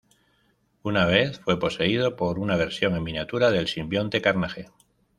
Una vez fue poseído por una versión en miniatura del simbionte Carnage.